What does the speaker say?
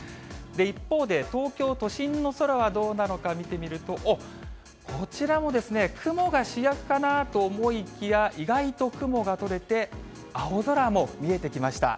一方で東京都心の空はどうなのか見てみると、おっ、こちらも雲が主役かなと思いきや、意外と雲が取れて、青空も見えてきました。